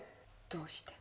どうして？